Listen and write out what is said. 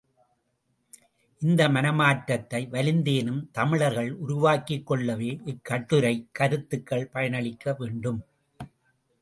இந்த மனமாற்றத்தை வலிந்தேனும் தமிழர்கள் உருவாக்கிக் கொள்ளவே இக்கட்டுரைக் கருத்துகள் பயனளிக்க வேண்டும்.